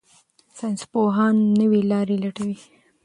ساینسپوهان نوې لارې لټوي.